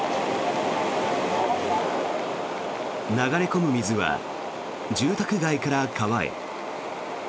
流れ込む水は住宅街から川へ。